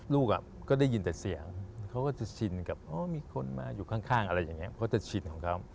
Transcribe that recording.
ลูกก็ได้ยินแต่เสียงเขาก็จะชินกับอ๋อมีคนมาอยู่ข้างอะไรอย่างนี้เพราะจะชินของเขา